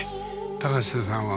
高瀬さんは？